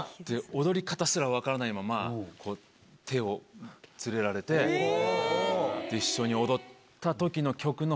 踊り方すら分からないままこう手を連れられて一緒に踊ったときの曲の。